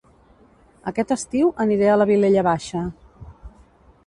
Aquest estiu aniré a La Vilella Baixa